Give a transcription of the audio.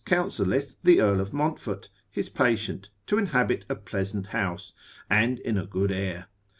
229, counselleth the earl of Monfort, his patient, to inhabit a pleasant house, and in a good air.